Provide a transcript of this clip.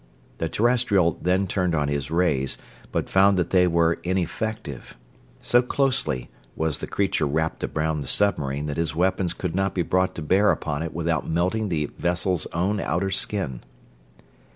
The Terrestrial then turned on his rays, but found that they were ineffective. So closely was the creature wrapped around the submarine that his weapons could not be brought to bear upon it without melting the vessel's own outer skin.